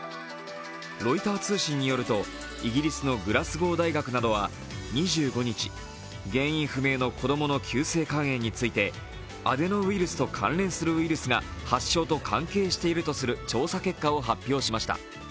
ロイター通信によると、イギリスのグラスゴー大学などは２５日、原因不明の子供の急性肝炎についてアデノウイルスと関連するウイルスが発症と関係しているとする調査結果を発表しました。